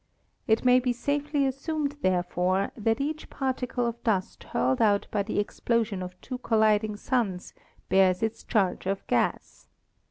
It may be safely assumed, therefore, that each particle of dust hurled out by the ex plosion of two colliding suns bears its charge of gas.